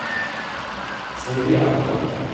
Sei ubriaco?